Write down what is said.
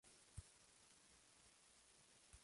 La variedad 'Sarda' es poco conocida y cultivada.